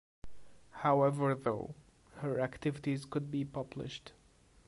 However though, her activities could be published.